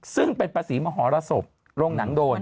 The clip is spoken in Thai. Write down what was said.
ซึ่งเป็นภาษีมหรสบโรงหนังโดน